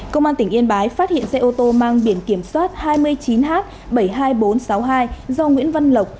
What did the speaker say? công an tỉnh yên bái phát hiện xe ô tô mang biển kiểm soát hai mươi chín h bảy mươi hai nghìn bốn trăm sáu mươi hai do nguyễn văn lộc